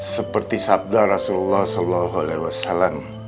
seperti sabda rasulullah saw